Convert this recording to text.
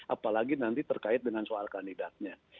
apalagi nanti terkait dengan soal kandidatnya